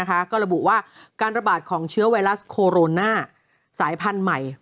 ก็ระบุว่าการระบาดของเชื้อไวรัสโคโรนาสายพันธุ์ใหม่